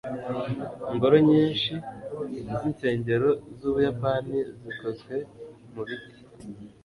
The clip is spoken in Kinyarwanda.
ingoro nyinshi zinsengero zubuyapani zikozwe mubiti